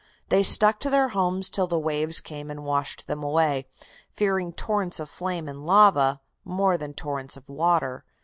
They stuck to their homes till the waves came and washed them away, fearing torrents of flame and lava more than torrents of water.